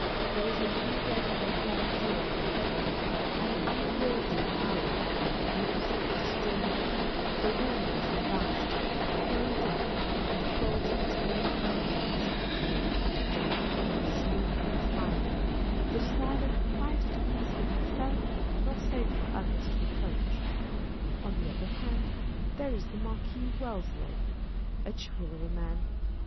There is an irregular grandeur about him, an unwieldy power, loose, disjointed, " volu minous and vast," â€" coiled up in the folds of its own purposes, â€" cold, death like, smooth, and smiling, â€" that is neither quite at ease with itself, nor safe for others to approach ! On the other hand, there is the Marquis Wellesley, a jewel of a man.